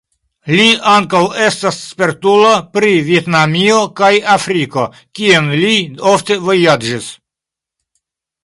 Li ankaŭ estas spertulo pri Vjetnamio kaj Afriko, kien li ofte vojaĝis.